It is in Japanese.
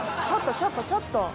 ちょっとちょっとちょっと。